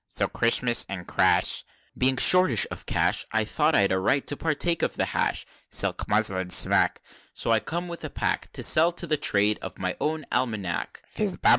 XXXVI. "So Crismus an crash Being shortish of cash, I thought I'd a right to partake of the hash Slik mizzle an smak, So I'm come with a pack, To sell to the trade, of My Own Almanack."